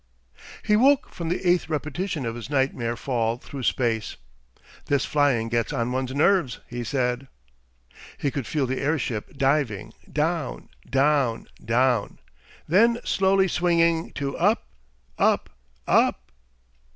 He woke from the eighth repetition of his nightmare fall through space. "This flying gets on one's nerves," he said. He could feel the airship diving down, down, down, then slowly swinging to up, up, up.